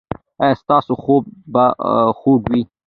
ایا ستاسو خوب به خوږ وي؟